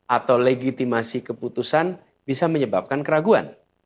atau legitimasi keputusan bisa menyebabkan keraguan